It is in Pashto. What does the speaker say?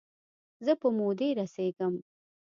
زه په مودې رسیږم